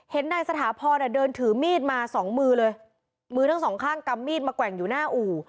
นายสถาพรเดินถือมีดมาสองมือเลยมือทั้งสองข้างกำมีดมาแกว่งอยู่หน้าอู่